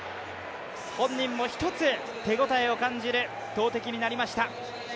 本人も一つ手応えを感じる投てきになりました。